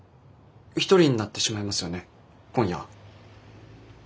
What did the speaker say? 一人になってしまいますよね今夜。